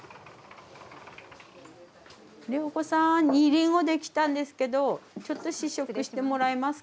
良子さん煮りんごできたんですけどちょっと試食してもらえますか？